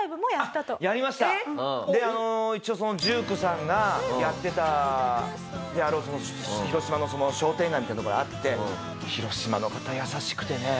であの一応１９さんがやってたであろう広島の商店街みたいな所あって広島の方優しくてね。